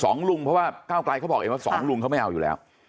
สองลุงเพราะว่าก้าวไกลเขาบอกเองว่าสองลุงเขาไม่เอาอยู่แล้ว